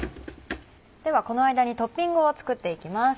ではこの間にトッピングを作っていきます。